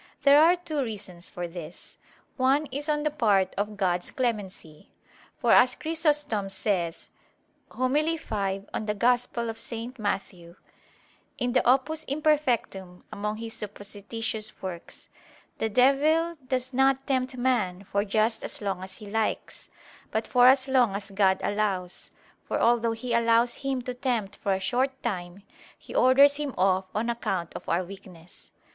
There are two reasons for this. One is on the part of God's clemency; for as Chrysostom says (Super Matt. Hom. v) [*In the Opus Imperfectum, among his supposititious works], "the devil does not tempt man for just as long as he likes, but for as long as God allows; for although He allows him to tempt for a short time, He orders him off on account of our weakness."